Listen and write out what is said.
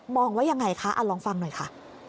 มองไว้ยังไงคะลองฟังหน่อยค่ะ